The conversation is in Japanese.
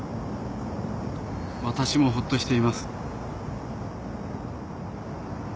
私もほっとしています。